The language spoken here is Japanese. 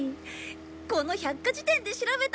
この百科事典で調べたんだ！